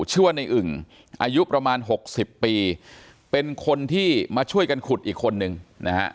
ชื่อว่าในอึ่งอายุประมาณหกสิบปีเป็นคนที่มาช่วยกันขุดอีกคนนึงนะฮะ